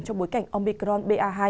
trong bối cảnh omicron ba hai